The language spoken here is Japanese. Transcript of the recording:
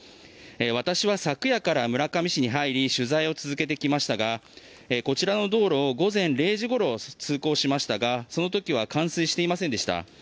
私は昨夜から村上市に入り取材を続けてきましたがこちらの道路を午前０時ごろ通行しましたがその時は冠水していませんでした。